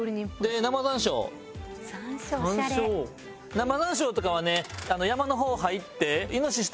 生山椒とかはね山の方入って。